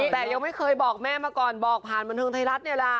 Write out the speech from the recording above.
แต่ยังไม่เคยบอกแม่มาก่อนบอกผ่านบันเทิงไทยรัฐนี่แหละ